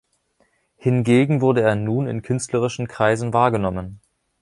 Hingegen wurde er nun in künstlerischen Kreisen wahrgenommen.